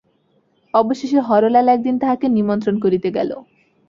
অবশেষে হরলাল একদিন তাহাকে নিমন্ত্রণ করিতে গেল।